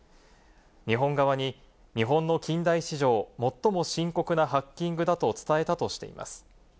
日本側に日本の近代史上、最も深刻なハッキングだと伝えたとしています。